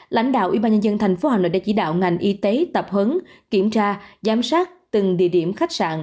lãnh đạo y tế hà nội đã chỉ đạo ngành y tế tập hấn kiểm tra giám sát từng địa điểm khách sạn